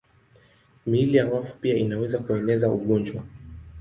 Miili ya wafu pia inaweza kueneza ugonjwa.